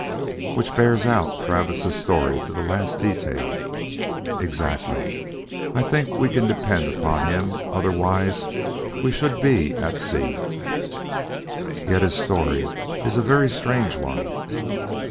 "Which bears out Travis' story to the last detail." "Exactly. I think we can depend upon him; otherwise we should be at sea." "Yet his story is a very strange one."